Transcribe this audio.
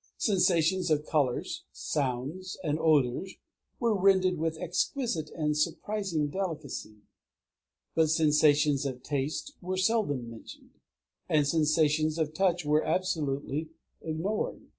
Sensations of colors, sounds, and odors were rendered with exquisite and surprising delicacy; but sensations of taste were seldom mentioned, and sensations of touch were absolutely ignored.